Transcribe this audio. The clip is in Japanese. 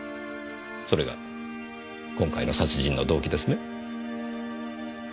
それが今回の殺人の動機ですね？